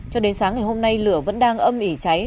cho đến sáng ngày hôm nay lửa vẫn đang âm ỉ cháy